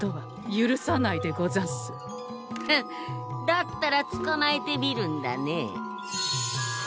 だったらつかまえてみるんだね。